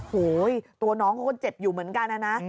โหยตัวน้องเขาก็เจ็บอยู่เหมือนกันนะนะ